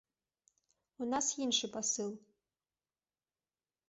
У нас іншы пасыл.